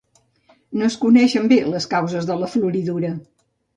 No es coneixen bé les causes de la floridura.